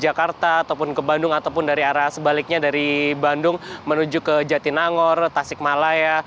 jakarta ataupun ke bandung ataupun dari arah sebaliknya dari bandung menuju ke jatinangor tasik malaya